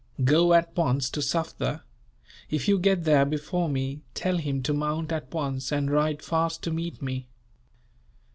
Go at once to Sufder. If you get there before me, tell him to mount at once, and ride fast to meet me."